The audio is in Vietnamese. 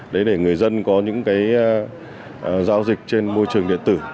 để người dân có những giao dịch trên môi trường điện tử